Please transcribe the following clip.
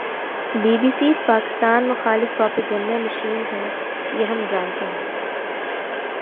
Be B C, Pakistan مخالف propaganda machine ہے۔ یہ ہم جانتے ہیں